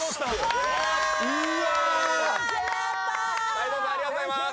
泰造さんありがとうございます！